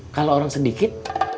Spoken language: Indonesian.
kalo orang sedikit